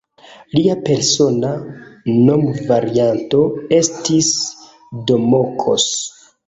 Lia persona nomvarianto estis "Domokos".